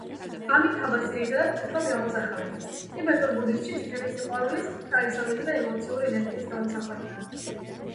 ამიტაბჰას, ძირითადად, წითლად გამოსახავენ; ტიბეტურ ბუდიზმში წითელი სიყვარულის, თანაგრძნობისა და ემოციური ენერგიის გამომსახველია.